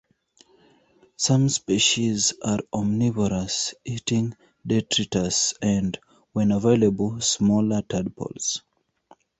Some species are omnivorous, eating detritus and, when available, smaller tadpoles.